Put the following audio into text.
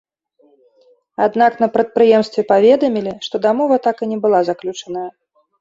Аднак на прадпрыемстве паведамілі, што дамова так і не была заключаная.